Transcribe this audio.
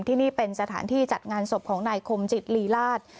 ที่นี่เป็นสถานที่จัดงานศพของนายคมจิตลีลาศ